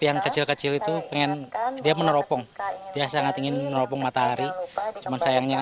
yang kecil kecil itu pengen dia meneropong dia sangat ingin meneropong matahari cuman sayangnya